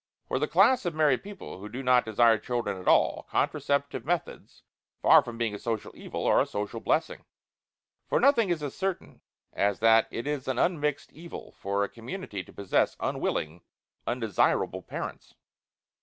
For the class of married people who do not desire children at all, contraceptive methods, far from being a social evil, are a social blessing. For nothing is as certain as that it is an unmixed evil for a community to possess unwilling, undesirable parents.